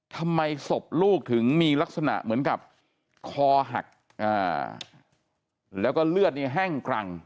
ทำไมศพลูกถึงมีลักษณะเหมือนกับคอหักแล้วก็เลือดเนี่ยแห้งกรัง